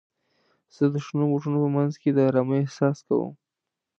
زه د شنو بوټو په منځ کې د آرامۍ احساس کوم.